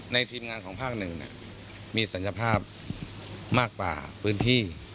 ทีมงานของภาคหนึ่งมีศักยภาพมากกว่าพื้นที่